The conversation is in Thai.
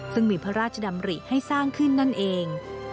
ซึ่งมีพระราชดำริให้สร้างขึ้นนั่นเอง